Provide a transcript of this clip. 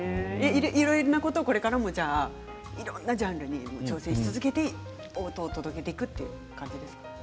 いろんなことをこれからもいろんなジャンルに挑戦し続けていこう音を届けていくという感じですか。